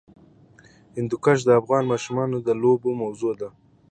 هندوکش د افغان ماشومانو د لوبو موضوع ده.